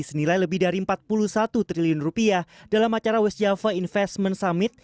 senilai lebih dari empat puluh satu triliun rupiah dalam acara west java investment summit